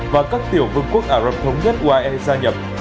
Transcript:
và các tiểu vương quốc ả rập thống nhất uae gia nhập